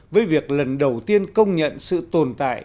với việc lần đầu tiên công nhận sự tồn tại